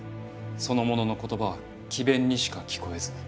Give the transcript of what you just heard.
その者の言葉は詭弁にしか聞こえず。